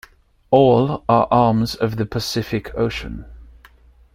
All are arms of the Pacific Ocean.